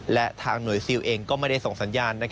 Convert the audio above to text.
และทางหน่วยซิลเองก็ไม่ได้ส่งสัญญาณ